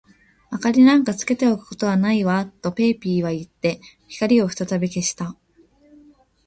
「明りなんかつけておくことはないわ」と、ペーピーはいって、光をふたたび消した。